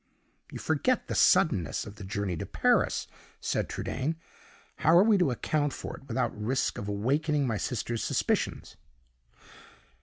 "You forget the suddenness of the journey to Paris," said Trudaine. "How are we to account for it without the risk of awakening my sister's suspicions?"